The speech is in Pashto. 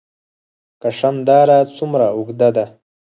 کشم دره څومره اوږده ده؟